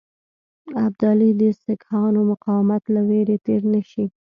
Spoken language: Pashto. ابدالي د سیکهانو مقاومت له وېرې تېر نه شي.